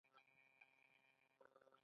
ایا زه بد ناروغ یم؟